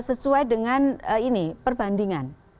sesuai dengan ini perbandingan